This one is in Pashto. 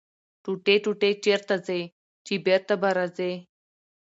ـ ټوټې ټوټې چېرته ځې ،چې بېرته به راځې.